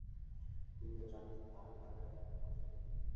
তুমি তো জান তাঁরই বাগানে আমার হাতেখড়ি।